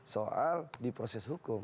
soal di proses hukum